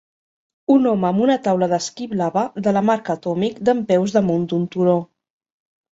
Un home amb una taula d'esquí blava de la marca Atomic dempeus damunt d'un turó